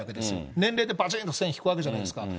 年齢でばちんと線引くわけじゃないですか。